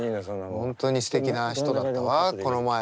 本当にすてきな人だったわこの前。